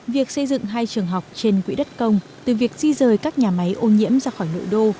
việc xây dựng hai trường học trên quỹ đất công từ việc di rời các nhà máy ô nhiễm ra khỏi nội đô